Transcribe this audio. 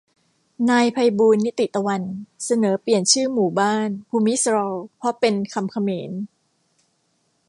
นายไพบูลย์ นิติตะวัน เสนอเปลี่ยนชื่อหมู่บ้าน "ภูมิซรอล" เพราะเป็นคำเขมร